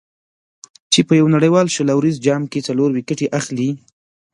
چې په یو نړیوال شل اوریز جام کې څلور ویکټې اخلي.